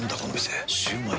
「ザ★シュウマイ」